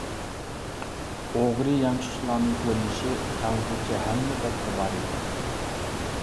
ئوغرى، يانچۇقچىلارنىڭ كۆرۈنۈشى خەنزۇچە ھەممە بەتتە بار ئىدى.